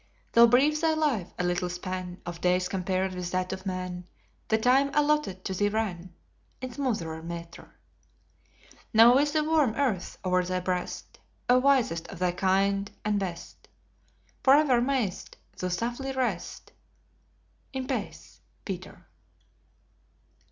Though brief thy life, a little span Of days compared with that of man, The time allotted to thee ran In smoother metre. Now with the warm earth o'er thy breast, O wisest of thy kind and best, Forever mayst thou softly rest, In pace, Peter.